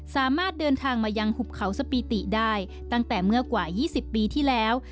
สามารถเดินทางมายังหุบเขาสปีติได้ตั้งแต่เมื่อกว่า๒๐ปีที่แล้ว